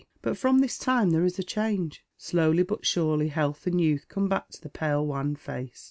But from this time there is a change. Slowly but surely health and youth come back to the pale wan face.